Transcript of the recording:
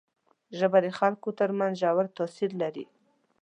ژبه د خلکو تر منځ ژور تاثیر لري